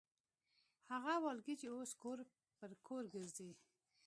هغه والګي چې اوس کور پر کور ګرځي.